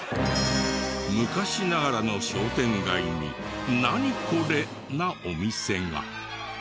昔ながらの商店街にナニコレなお店が。